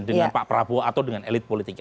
dengan pak prabowo atau dengan elit politiknya